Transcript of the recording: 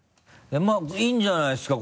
まぁいいんじゃないですか？